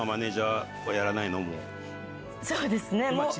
そうですね。